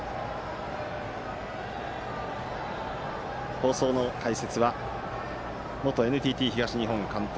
放送の解説は元ＮＴＴ東日本監督